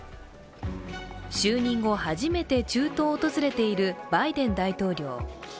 就任後、初めて中東を訪れているバイデン大統領。